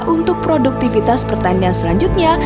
untuk produktivitas pertanian selanjutnya